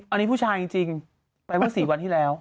อันนี้ผู้ชายจริงไปเมื่อ๔วันที่แล้ว